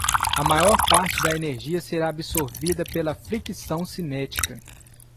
A maior parte da energia será absorvida pela fricção cinética.